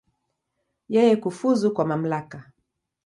Yeye kufuzu kwa mamlaka.